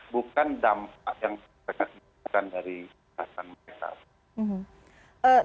bukan dampak yang terkesan kesan dari kejahatan mereka